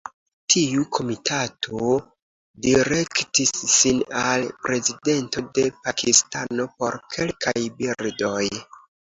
Tiu komitato direktis sin al Prezidento de Pakistano por kelkaj birdoj.